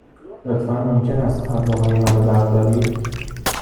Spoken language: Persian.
لطفاً ممکن است ابروهای مرا بردارید؟